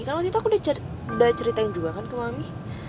karena waktu itu aku udah ceritain juga kan ke mami